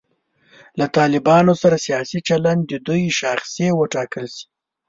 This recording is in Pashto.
له طالبانو سره سیاسي چلند د دوی شاخصې وټاکل شي.